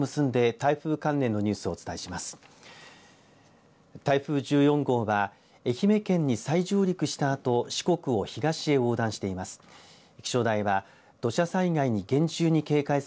台風１４号は愛媛県に再上陸したあと四国を東へ横断しています。